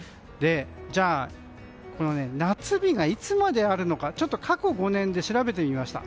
じゃあ夏日がいつまであるのか過去５年で調べてみました。